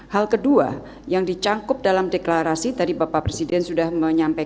hal kedua yang dicangkup dalam deklarasi tadi bapak presiden sudah menyampaikan